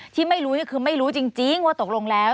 ที่ไม่รู้คือไม่รู้จริงว่าตกลงแล้ว